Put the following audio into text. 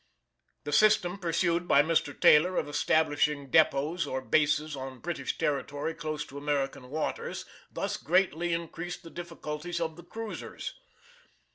The system pursued by Mr. Taylor of establishing depots or bases on British territory close to American waters thus greatly increased the difficulties of the cruisers.